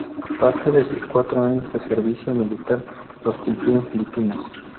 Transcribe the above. Parte de sus cuatro años de servicio militar los cumplió en Filipinas.